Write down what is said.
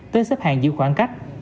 tới xếp hàng giữ khoảng cách